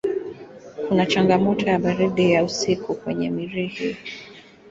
Kuna changamoto ya baridi ya usiku kwenye Mirihi.